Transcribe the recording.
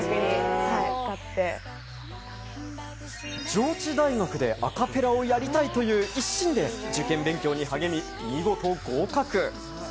上智大学でアカペラをやりたいという一心で受験勉強に励み、見事合格。